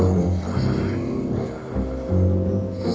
mak ini yang pejitin ya